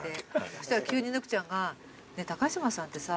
そしたら急にぬくちゃんが「高島さんってさ」